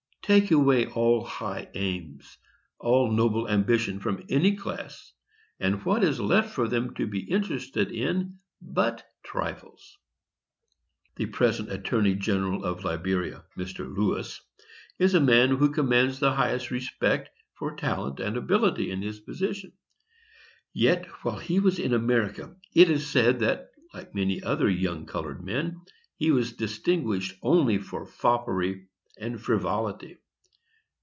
Take away all high aims, all noble ambition, from any class, and what is left for them to be interested in but trifles? The present attorney general of Liberia, Mr. Lewis, is a man who commands the highest respect, for talent and ability in his position; yet, while he was in America, it is said that, like many other young colored men, he was distinguished only for foppery and frivolity.